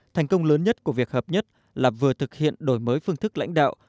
thành công lớn nhất của việc hợp nhất là vừa thực hiện đổi mới phương thức lãnh đạo